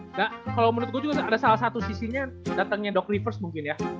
nah kalau menurut gue juga ada salah satu sisinya datangnya doc rivers mungkin ya